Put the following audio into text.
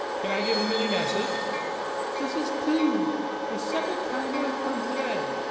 Can I give him any message?" "This is two the second time I have come to day.